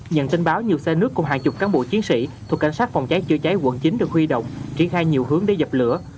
nhận tin báo nhiều xe nước cùng hàng chục cán bộ chiến sĩ thuộc cảnh sát phòng cháy chữa cháy quận chín được huy động triển khai nhiều hướng để dập lửa